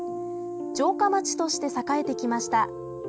城下町として栄えてきました。